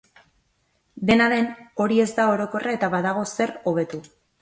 Dena den, hori ez da orokorra eta badago zer hobetu.